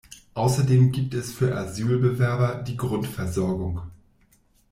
Außerdem gibt es für Asylwerber die "Grundversorgung".